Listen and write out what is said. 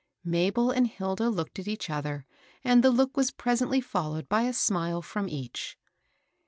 Mabel and Hilda looked at each other, and the look was presently followed by a smile from each.